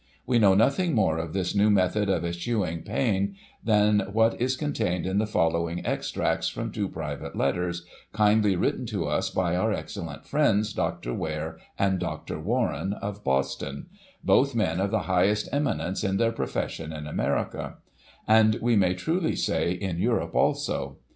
We know nothing more of this new method of eschewing pziin than what is contained in the following extracts from two private letters, kindly written to us by our excellent friends Dr. Ware and Dr. Warren, of Boston — both men of the highest eminence in their profession in America — and, we may truly say, in Europe also.